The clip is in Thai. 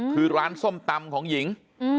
คือร้านส้มตำของหญิง